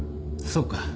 そうか。